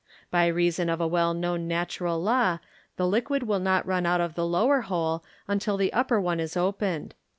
Bv reason of a well known natural law, the liquid will not run out of the lower hole until the upper one is opened.